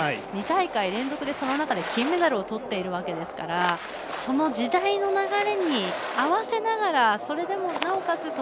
２大会連続で金メダルをとっているわけですからその時代の流れに合わせながらなおかつ